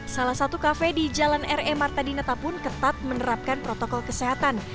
salah satu kafe di jalan r e martadinata pun ketat menerapkan protokol kesehatan